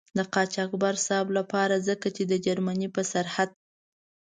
د قاچاقبر صاحب له پاره ځکه چې د جرمني په سرحد.